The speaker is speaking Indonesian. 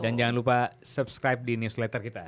dan jangan lupa subscribe di newsletter kita